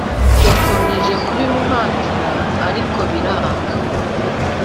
yakomeje kubimuhatira ariko biranga